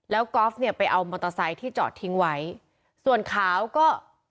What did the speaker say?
แล้วกอล์ฟเนี่ยไปเอามอเตอร์ไซค์ที่จอดทิ้งไว้ส่วนขาวก็